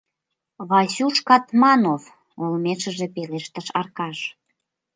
— Васюш Катманов! — олмешыже пелештыш Аркаш.